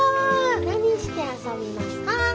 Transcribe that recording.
何して遊びますか？